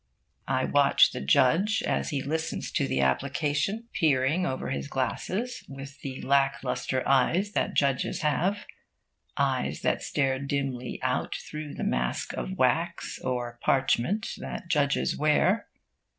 I watch the judge as he listens to the application, peering over his glasses with the lack lustre eyes that judges have, eyes that stare dimly out through the mask of wax or parchment that judges wear.